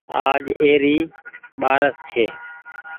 آج اي ري ٻآرس ڇي۔